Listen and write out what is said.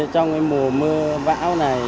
trong mùa mưa vãi áo này